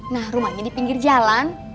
nah rumahnya di pinggir jalan